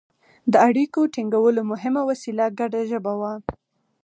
د اړیکو ټینګولو مهمه وسیله ګډه ژبه وه.